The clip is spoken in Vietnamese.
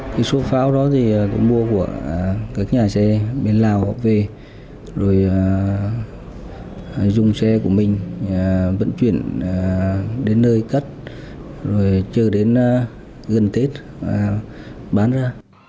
cái số pháo đó thì cũng mua của các nhà xe bên lào về rồi dùng xe của mình vận chuyển đến nơi cất rồi chưa đến gần tết bán ra